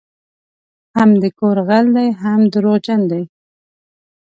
هم د کور غل دی هم دروغجن دی